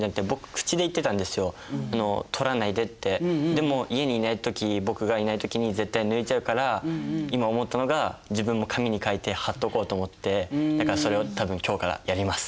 でも家にいない時僕がいない時に絶対抜いちゃうから今思ったのが自分も紙に書いて貼っとこうと思ってだからそれを多分今日からやります。